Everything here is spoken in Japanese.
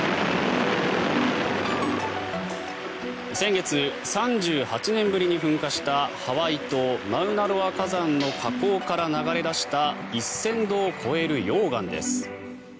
先月、３８年ぶりに噴火したハワイ島・マウナロア火山の火口から流れ出した１０００度を超える溶岩です。